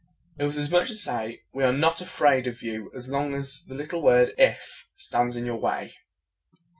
It was as much as to say, "We are not afraid of you so long as the little word 'if' stands in your way."